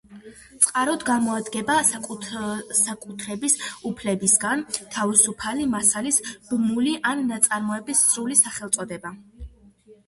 წყაროდ გამოდგება საკუთრების უფლებისგან თავისუფალი მასალის ბმული ან ნაწარმოების სრული სახელწოდება.